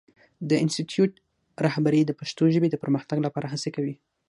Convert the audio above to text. د انسټیټوت رهبري د پښتو ژبې د پرمختګ لپاره هڅې کوي.